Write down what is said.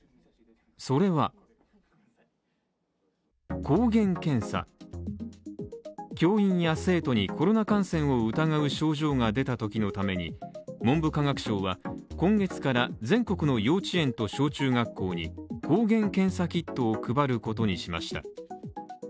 それは抗原検査教員や生徒にコロナを疑う症状が出た時のために文部科学省は今月から全国の幼稚園と小中学校に抗原検査キットを配ることにしました